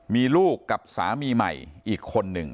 มีลูกกับสามีใหม่อีกคนหนึ่ง